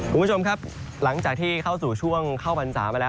คุณผู้ชมครับหลังจากที่เข้าสู่ช่วงเข้าพรรษามาแล้ว